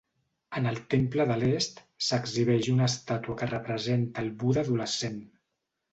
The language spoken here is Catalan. En el temple de l'est s'exhibeix una estàtua que representa al Buda adolescent.